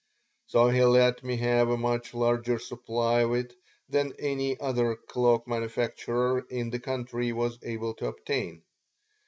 So he let me have a much larger supply of it than any other cloak manufacturer in the country was able to obtain.